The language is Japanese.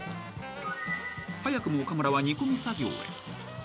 ［早くも岡村は煮込み作業へ］